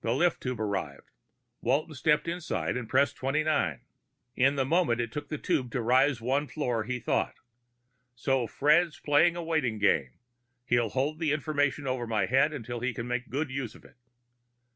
The lift tube arrived. Walton stepped inside and pressed twenty nine. In the moment it took for the tube to rise the one floor, he thought, _So Fred's playing a waiting game.... He'll hold the information over my head until he can make good use of it.